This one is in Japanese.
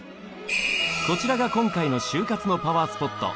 こちらが今回の就活のパワースポット